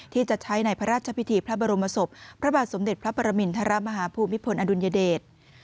ที่จะใช้ในพระราชพิธีพระบรมศพพระบาทสมเด็จพระปรมินทรมาฮาภูมิพลอดุลยเดช